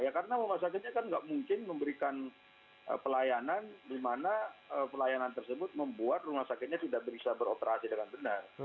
ya karena rumah sakitnya kan nggak mungkin memberikan pelayanan di mana pelayanan tersebut membuat rumah sakitnya tidak bisa beroperasi dengan benar